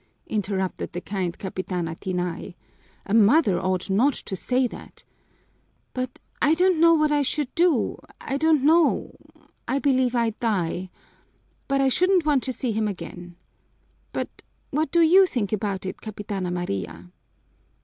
interrupted the kind Capitana Tinay. "A mother ought not to say that! But I don't know what I should do I don't know I believe I'd die but I shouldn't want to see him again. But what do you think about it, Capitana Maria?"